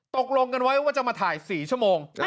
ตกลงกันไว้ว่าจะมาถ่าย๔ชั่วโมง